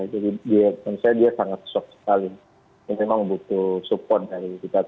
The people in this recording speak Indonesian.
jadi dia menurut saya dia sangat shock sekali ini memang butuh support dari kita keluarga